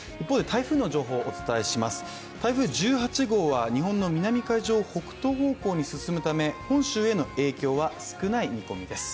台風１８号は日本の南海上を北東方向へ進むため本州への影響は少ない見込みです。